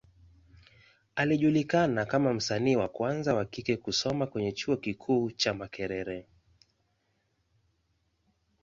Alijulikana kama msanii wa kwanza wa kike kusoma kwenye Chuo kikuu cha Makerere.